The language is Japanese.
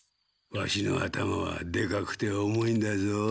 ワシの頭はでかくて重いんだぞ。